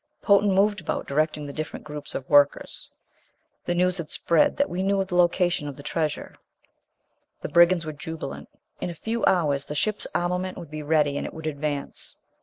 Potan moved about, directing the different groups of workers. The news had spread that we knew the location of the treasure. The brigands were jubilant. In a few hours the ship's armament would be ready, and it would advance.